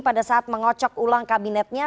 pada saat mengocok ulang kabinetnya